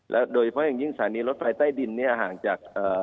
และโดยเฉพาะอย่างยิ่งสาริรถไฟไต้ดินนี่ห่างจาก